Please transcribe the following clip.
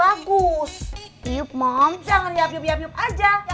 jangan yap yap yap aja